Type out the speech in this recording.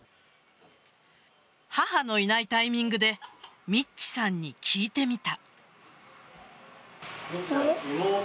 母のいないタイミングでみっちさんに聞いてみた。